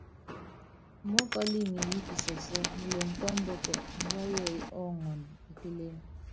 Mɔ́kɔl ŋilí i pisɔsɔ́ muloŋ kɔ ɔmbɔk, mbua yɛɛyɛ́ ɔɔŋɔn e kélém.